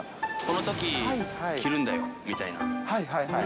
○○のときに着るんだよみたいな。